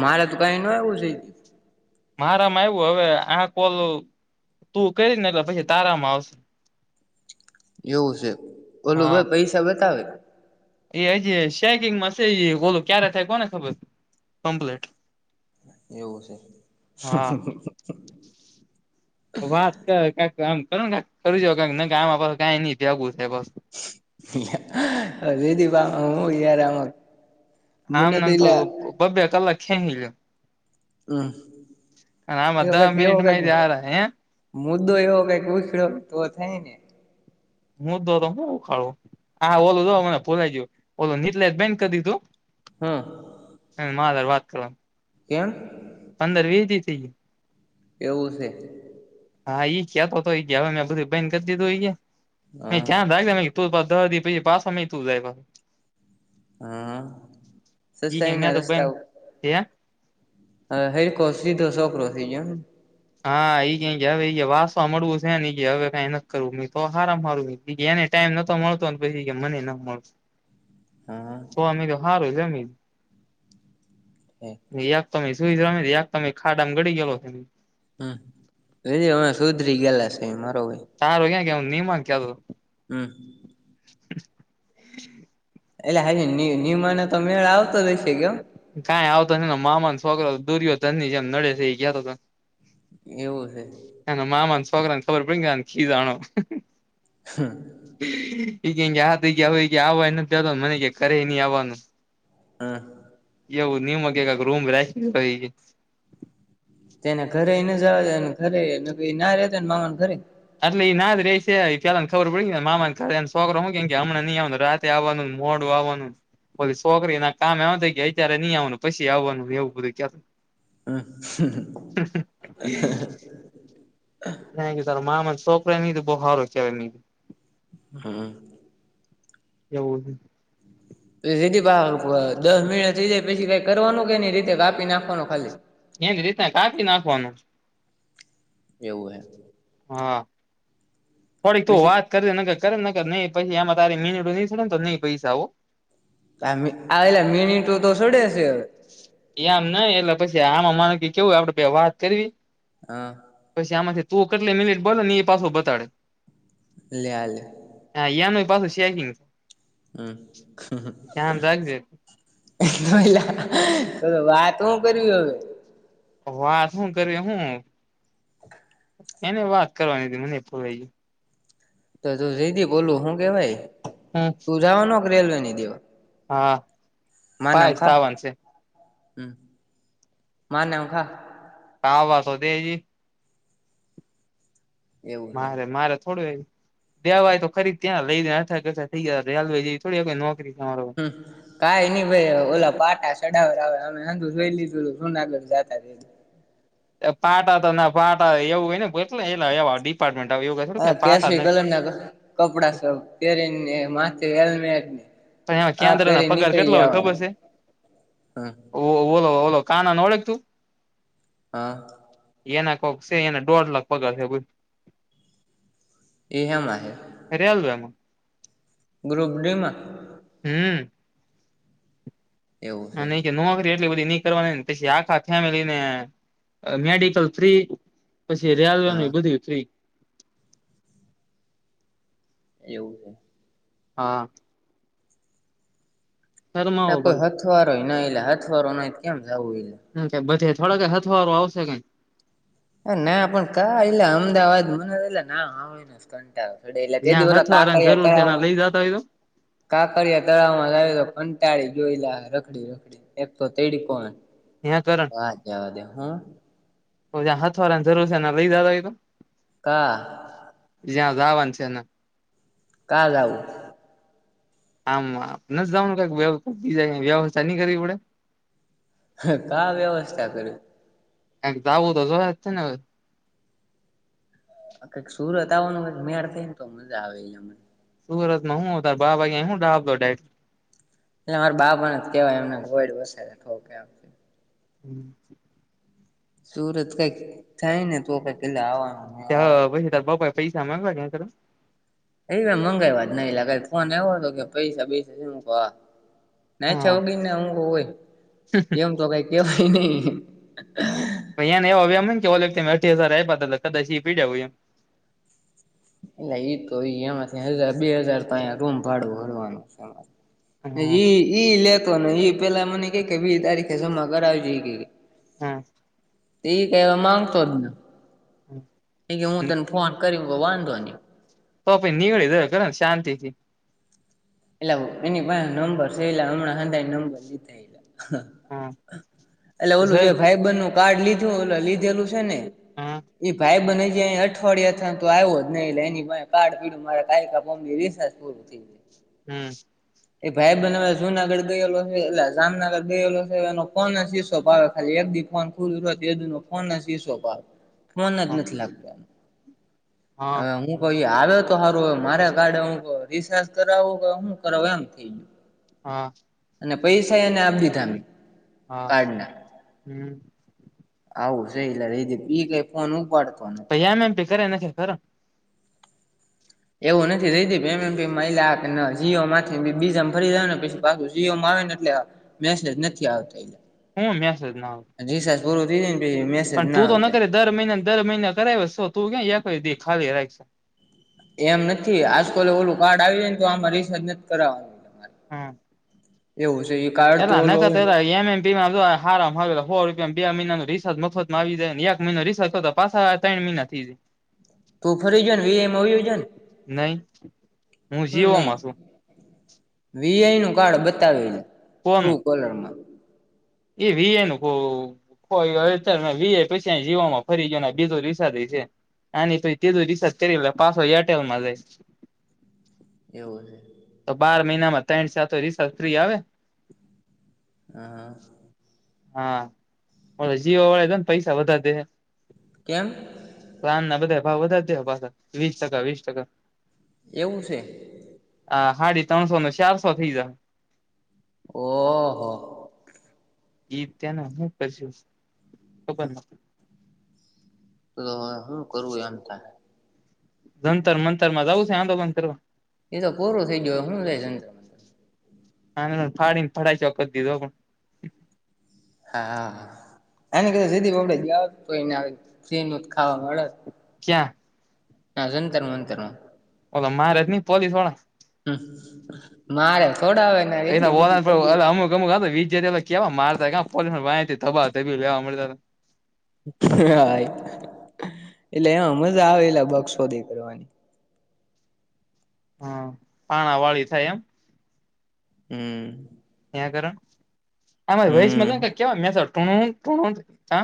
મારે [unintelligible] મારામાં આવ્યું હવે આ કોલ તું કરીશ ને એટલે પછી તારામાં આવશે. એવું છે ઓલું હા ભાઈ પૈસા બતાવે એ હજી ચેકિંગમાં છે એ ઓલું ક્યારે થાય કોને ખબર કમ્પ્લીટ. એવું છે. હા [inaudible] [inaudible] મને તો એલા [inaudible] એવો કઈક એવો કઈક [inaudible] મુદ્દો એવો કઈક ઉખડ્યો તો થાય ને. [inaudible] [unintelligible] હા. [inaudible] કેમ પંદર વીહ [inaudible] એવું છે. [inaudible] હા [inaudible] હા સસ્તાઈ ના રસ્તા [inaudible] [inaudible] [inaudible] [inaudible] હા. [inaudible] હા. [inaudible] [inaudible] [inaudible] હમ્મ [inaudible] [inaudible] એવું છે. એના મામાને છોકરાને ખબર પડી ગઇ કે આને ખીજાણો. હમ. ઇતો તો આ તો કે આવાય નથી દેતોનથી દેતો ને હવે મને કે ઘરે નઈ આવવાનું. હા. એવું [inaudible] રૂમ રાખી [inaudible] તે એને ને ઘરને નથી તો જવા દે ઘરે ના રહેતો ને મામા ઘરે. એટલે એ ના રે સે જ પેલા ને ખબર પડી મામા ના ઘરે શોકરા કે અમને રાત આવવાનું મોડું આવવાનું પછી છોકરી ના કામ આવા થઈ ગયા અત્યારે નહી આવવાનું પછી આવવાનું એવું બધું ક [unintelligible] ત્યાં તાર મામા મારા છોકરા ને બોવ હારો કેવાય. હમ. એવું. [inaudible] દહ મિનિટ થઈ જાય પછીકાઈ કરવાનું એની રીતે કરવાનું કાપી નાખવાનું ખાલી, એની રીત ના કાફી નાખવા નું. એવું હૈ. હા થોડીક તું પછી વાત કર જે નકર કરે નકર નહી પછી એમાં તારે મીનીટો નહી થશે ને તો નહીં પૈસા ઓ આ એલા મિનિટો તો ચડે શે હવે, એ આમ નઈ એટલે પછી આમાં માને કે કેવું આપડે બે વાત કરવી હા પછી આમાંથી તું કેટલી મિનિટ બોલો ને એ પાછો બતાડે. લે આલે હા યા નું પાછું ચેકિંગ ધ્યાન રાખજે હમ વાત હું કરવી હવે વાત શું કરી હું એને વાત કરવાની હતી મનેય ભૂલાય ગયુ તો તું જીધી બોલું શું કેવાય હમ જવા નો કે રેલવે ની દેવા હા માં ના પાય હમ ખા સાવન છે હમ માં ના હમ ખા આવા તો દે ઈ એવું છે મારે મારે થોડું એ દેવાય તો ખરી ત્યાં લઈ અથા ગથા થઈ ગયા રેલવે જેવી થોડી નોકરી તમારો હમ્મ કાઈ નઈ ભાઈ ઓલા પાટા સડાવર આવે અમેંધુ જોઈ લીધું જુનાગઢ જતા ત્યારે એ પાટા તો ના પાટા એવું હોય ને એટલે એલા એવા ડિપાર્ટમેન્ટ આવે એવું થોડી પાટા નહી નાગ [unintelligible] કપડા સ પહેરીને માથે હેલ્મેટ ને અહીંયા હા કેન્દ્રના પેરી પગાર નીકળી કેટલા હોય જવાનું ખબર છે હ ઓ ઓલો ઓલો કાનાને ઓળખ તું હા એના કોક છે એને દોઢ લાખ પગાર છે બોલ એ હે માટે રેલવે માં ગ્રુપ ડી માં હમ એવું હ છે નહી કે નોકરી એટલી બધી ની કરવાની ને પછી આખા ફેમિલી ને અ મેડિકલ ફ્રી પછી રેલવે હા નું બધુંય ફ્રી એવું હા શરમાવો ના કોઈ બાજુ હથવારો નઈ એલા હથવારો નઈ તો કેમ જવું એલે કે બધે થોડો હથવારું આવશે કઈ હા ના પણ કા એલા અમદાવાદ મને એ ના આવે કંટાળો આવે એટલે જ્યાં તેદી ઓલા હથવારાની કાંકરિયા જરૂર છે તળાવ એના લઈ જતા હોય તો કાંકરિયા તળાવમાં જાવ તો કંટાળી જોયલા રખડી રખડી એક તો તેડી કોણ ત્યાં કરણ વાત જવા દે હા ઓલા હાથવારાની જરૂર છે એને લઈ જતા હોય તો કા જ્યા જાવાનું છે ને ન્યા કાલે આવું આમ નથી જવાનું કંઈક જાય બીજે ક્યાં વ્યવસ્થા નહી કરવી પડે હ કા વ્યવસ્થા કર્યું કાઈ જાવું તો જોહે તેને હવે કઈક સુરત આવવાનું કઈ મેળ થઈ ને તો મજા આવેને સુરત માં હું હ તાર બાપ [unintelligible] એટલે અમાર બાપણ જ કેવાય [inaudible] હમ.. [inaudible] સુરત કઈક થાય ને તો કઈક લા આવવાનું ત મેળ આવે હાહા પાહિ તાર બાપા એ પૈસા માંગવા ત એ મંગાવ્યા જ નઈ લા ફોન આવ્યો હતો કે પૈસા બૈસા હે કે મેં કીધું હા હા નાથ્યાં વગરના ન ઊઘ હોય એમ તો કઈ કેવાય નહી પહી ને એવા વેમ હોય ને કે ઓ અઢી હજાર આપ્યા હતા કદાચ એ પીડ્યાય હોય એમ ના ઇ તો એમાંથી હજ બે હજાર તો અયા રૂમ ભાડું ભરવાનું હ અમાર એમ ના હા ઇ ઈ લેતો ને ઈ પેલા મને કે વીસ તારીખે જમા કરાવ જે ઈ કે હ તે એ કેવા માંગતો જ ને એ કે હું તને ફોન કર્યો કે વાંધો નહી તો પણ [inaudible] ને શાંતિથી એલાઓ એની પાહે નંબર સે એલા હમણાં હને નંબર લીધા એટલે ઓલું જે ભાઈબંધનું કાર્ડ લીધું ઓલું લીધેલું છે ને એ ભાઈબંધ એ કેઈ અઠવાડિયા તો આવ્યો જ નહી એટલે એની પાહે કાર્ડ પડ્યું મારે ઘાએ ઘા ફોન માં રિચાર્જ પૂરું થઈ ગયુ હમ એ ભાઈબંદ હવે જુનાગઢ ગયેલો છે. એટલે જામનગર ગયેલો છે એનો ફોન જ સ્વિચ ઓફ આવે ખાલી એક દી ફોન [unintelligible] તેદી નો ફોન જ ન સ્વિચૉફ આવે ફોન જ નથી લાગતો એ હું કઈ આવ્યો તો તો સારું હો મારે કાર્ડ હું કવ રિસાર્જ કરાવું કે હું કરાવ એમ થઈ ગયો હમ અને પૈસા એને આપ દીધા મે હા કાર્ડના હમ. આવું સઈ એ ક ફોન ઉપાડ પૈ એમ એમ પે કર એના ખ કર એવું નથી થઈ પેમે પ એ જીઓ માંથી બીજામાં ફરી જાય ને પછી પાછું જીઓમાં આવે ને એટલે મેસેજ નથી આવતો એ હમ મે સ જ ના જી સાસ પૂર દી જ ને પસી મેસ પણ તો ન દર મહિના દર મહિના કરાવ શ તું ક ખાલી રાખ એમ નથી આજકાલે ઓલું કાર્ડ આવી જાયને તો આમાં રિસાર્જ નથી કરવાનુંરે હા. એવું છે. એ તો અને ઓલો ક હોય એમ એમ આમો રપિયા બે મહિનાનો રિસજ મફતમાં આવી જાય ને એક મહિનોસાર્જ કર પાછ ત્રણ મહિના થથી જાય. [inaudible] તું ફરી જાને વમ આવજને નહી હું નહી જીવોમાં છું વી આઈ નું કાર્ડ બતાવે લ ટ્રુ કોલરમાં. એવી એનું કોહ અત્યારે વી પછી જીવામાં ફરી ગ બીજો દિસાથી છે. અને તો તેજું રિસર્જ કરરી પાસ હો એરટેલમાં જ લાઈસ. [inaudible] તો બાર મહિનામાં ત્રણ તો રિસ ફ્રી આવે. હ હા. હા. જીવા વાળા તોને પૈસા વધા દે હે. કેમ? તો આમના બધા ભાવ વધારે દે, પાછા વીસ ટકા વીસ ટકા. એવું છે? હા, હાડી ત્રણસો નને ચારસો થઈ જ. ઓહો! ઈ ત્યાના હ કરશ ખબર ની તો હું કરું એમ થાય. જંતર મંતરમાં જવું છે? આંદોલન કરવા એ તો પૂરું થઈ ગયો. હું લઈ જવાનું. હ, ફાડીને ફડા ચોખ દીધો પણ હા, કધ દીદી બપડે જઓ, તો એને સી ન ખાવા મળેત. ક્યાં? હા, જંતર મંતરમાં. ઓલો માારેનીને પોલીસવાળા. હમ. મારે થોડા આવે એના અમ [unintelligible] ગ વિ્યાર કેવા મારતા પોલીસ ધબાવ તી લેવા મળતા. હા, એટલે એમાં મજા આવે. એલા બક્ષ શોધી કરવાની. હા, પાણા વાળી થાય એમ.. હમ. ત્યાં કરોને, આ હમ વસમાં કેવા મેસેજ ટી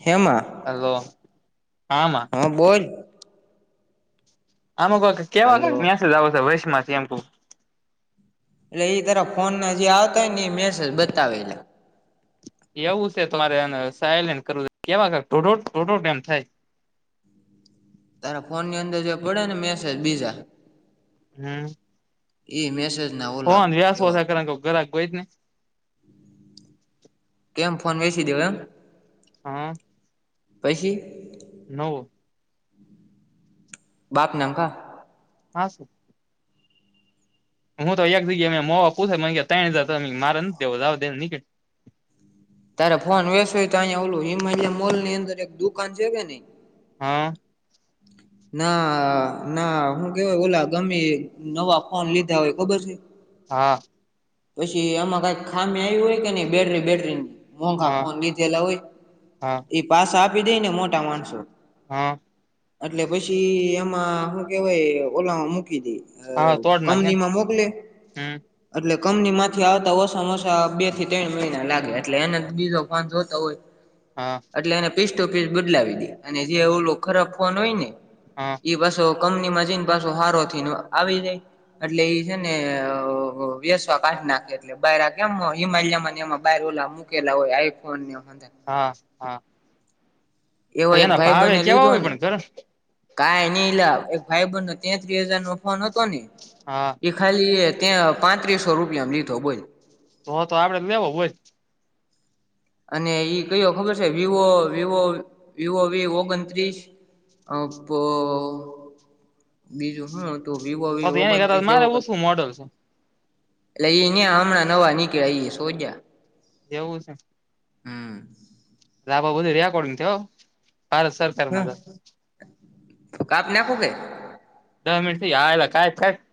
હેમાં? હલો. હા માં. હા બોલ. આમાં કોક કેવાં કેક હલો મેસેજ આવશે વચમાં [unintelligible] એટલે ઈ તરફ ફોનના જે આવતા હોયને, ઈ મેસેજ બતાવેલા. એવું સે. તો મારે આને સાઈલેન્ટ કરવું જોઈએ. કેવા [unintelligible] એમ થાય. તારા ફોનની અંદર જે પડે ને મેસેજ બીજા- હમ્મ. ઈ મેસેજ ના ઓ ફોન વેસવો સે. [unintelligible] કોઈક ઘરાક ગોઈત ને. કેમ? ફોન વેચી દેવો એમ! હમ્મ. પઈસી? નવો. બાપ નામ કાં. હા [unintelligible] હું તો એઈક જગ્યાએ મે મોહ પૂછે, મન કહ્યે, તઈન હજાર. તો મે મારે નથ દેવો. જાવા દે ને નીક તારે ફોન વેસવું હોય તો અહિયાં ઓલું હિમાલય મોલની અંદર એક દુકાન છે કે નહીં? હા. [inaudible] ના-ના. હું કહેવાય? ઓલા ગમે એ નવા ફોન લીધા હોય. ખબર છે? હા. પસી આમાં કાંઈક ખામી આવી હોય કે નહીં બેટરી-બેટરી ની. મોંઘા હા ફોન લીધેલા હોય, હા ઈ પાસા આપી દેઈ ને મોટા માણસો. હા. એટલે પછી એમાં હું કહેવાય ઓલામાં મૂકી દેઈ. અહ હા તોડ નાખે કંપનીમાં મોકલે હમ અટલે કંપની માંથી આવતા ઓસા માં ઓસા બે થી તૈણ મહિના લાગે. એટલે એને તો બીજો ફોન જોતો હોય. [inaudible] હા. એટલે એને પીસ ટૂ પીસ બદલાવી દે. અને જે ઓલો ખરાબ ફોન હોય ને હા. ઈ પાસો કંપનીમાં જઈન પાસો હારો થઈને આવી જાય. એટલે ઈ છે ને અહ વેસવા કાઢ નાખે. એટલે બાયરા કેમ હિમાલીયા માં ને એમાં બાહિર ઓલા મૂકેલા હોય, આઈફોનને એ હંધાય. હા, હા. એવો ભાઈ એક એના ભાઈબંને ભાવે કેવા લીધો હોય ને પણ ઘર કાંઈ નહીં એલા, એક ભાઈબંધનો તેત્રી હજાર નો ફોન હતો ને હા. ઈ ખાલી એ ત્યાં પાંત્રીસો રૂપિયામ લીધો બોલ. તો-તો આપણે જ લેવો બોઈલ. અને ઈ કયો ખબર છે? વિવો-વિવો-વિવો વી ઓગણત્રીસ. ઓપો બીજું હું હત તું, વિવો તો વી તો એની કરતા ઓગણત્રીસ મારે એવો કંઈક. ઓછું મોડલ એટલે ઈ ન્યાં હમણાં નવા નીકળ્યા ઈ સોજા. એવું સે! હમ્મ. [inaudible] [inaudible] [inaudible]